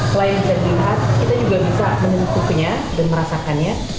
selain bisa dilihat kita juga bisa menutupinya dan merasakannya